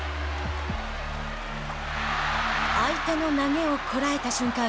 相手の投げをこらえた瞬間